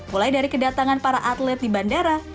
mulai dari kedatangan para atlet di bandara